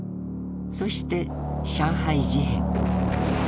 そして上海事変。